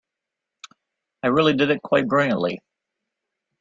I really did it quite brilliantly.